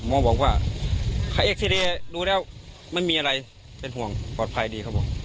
หมอบอกว่าเอ็กซีเรียดูแล้วไม่มีอะไรเป็นห่วงปลอดภัยดีครับผม